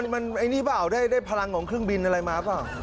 มันไอ้นี่เปล่าได้พลังของเครื่องบินอะไรมาเปล่า